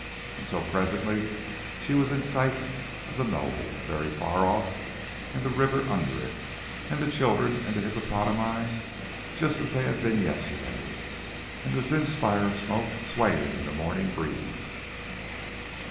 And so presently she was in sight of the knoll, very far off, and the river under it, and the children and the hippopotami just as they had been yesterday, and the thin spire of smoke swaying in the morning breeze.